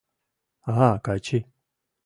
А, Качи!..